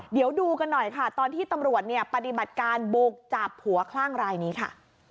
เดี๋ยวดูกันหน่อยค่ะตอนที่ตำรวจปฏิบัติการโบกจับหัวข้างลายนี้ค่ะ